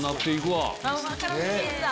マカロニチーズだ。